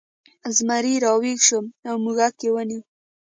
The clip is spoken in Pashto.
زمری راویښ شو او موږک یې ونیو.